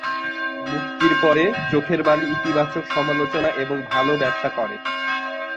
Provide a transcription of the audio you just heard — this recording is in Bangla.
মুক্তির পরে, চোখের বালি ইতিবাচক সমালোচনা এবং ভালো ব্যবসা করে।